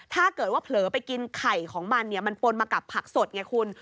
ถ้าเกิดว่าเผลอไปกินไข่ของมันเนี่ยมันปนมากับผักสดไงคุณ